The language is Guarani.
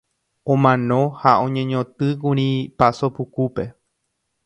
Omano ha oñeñotỹkuri Paso Pukúpe.